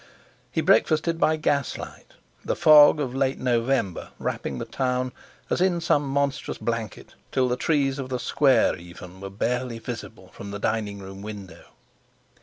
He breakfasted by gaslight, the fog of late November wrapping the town as in some monstrous blanket till the trees of the Square even were barely visible from the dining room window.